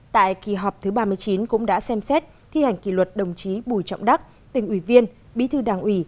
tại kỳ họp thứ ba mươi chín cũng đã xem xét thi hành kỷ luật đồng chí bùi trọng đắc tỉnh ủy viên bí thư đảng ủy